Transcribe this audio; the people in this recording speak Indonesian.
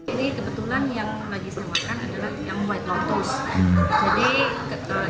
ini kebetulan yang lagi saya makan adalah yang white lontos